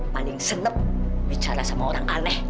paling seneng bicara sama orang aneh